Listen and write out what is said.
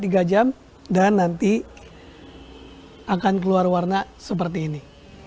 dan nanti akan keluar warna seperti ini